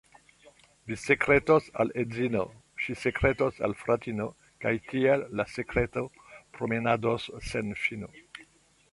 Vi sekretos al edzino, ŝi sekretos al fratino, kaj tiel la sekreto promenados sen fino.